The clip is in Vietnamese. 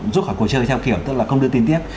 rút khỏi cuộc chơi theo kiểu tức là không đưa tin tiếp